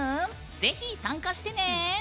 ぜひ、参加してね！